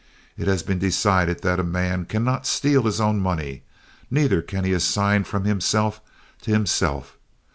It has been decided that a man cannot steal his own money, neither can he assign from himself to himself.